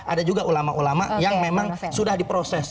ada juga ulama ulama yang memang sudah diproses